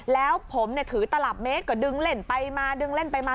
แล้วผมถือตลับเมตรก็ดึงเล่นไปมาดึงเล่นไปมา